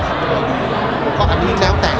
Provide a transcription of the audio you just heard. ก็ทำเนื้อก็ไม่มีทาง